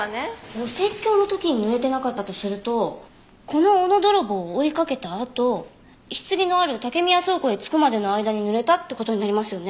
お説教の時に濡れてなかったとするとこの斧泥棒を追いかけたあと棺のある竹宮倉庫へ着くまでの間に濡れたって事になりますよね。